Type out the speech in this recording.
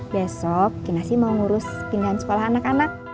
besok kinasi mau ngurus pindahan sekolah anak anak